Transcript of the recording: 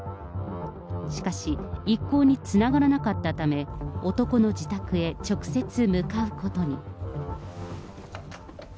しかし、いっこうにつながらなかったため、男の自宅へ直接向かうことに。